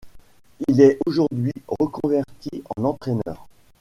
Il est aujourd'hui reconverti en entraîneur.